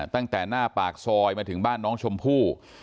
ตั้งแต่หน้าปากซอยมาถึงบ้านน้องชมพู่